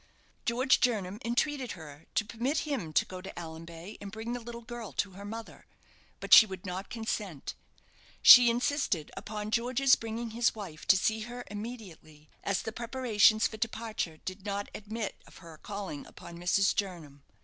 George Jernam entreated her to permit him to go to Allanbay and bring the little girl to her mother, but she would not consent. She insisted upon George's bringing his wife to see her immediately, as the preparations for departure did not admit of her calling upon Mrs. Jernam.